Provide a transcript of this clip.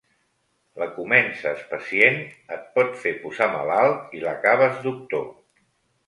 La comences pacient, et pot fer posar malalt i l'acabes doctor.